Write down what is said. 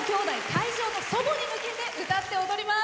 会場の祖母に向けて歌って踊ります。